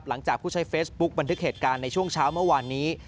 หลังจากผู้ใช้เฟซบุ๊คบันทึกเหตุการณ์ในช่วงเช้าเมื่อวานนี้